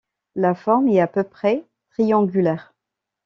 La forme est à peu près triangulaire.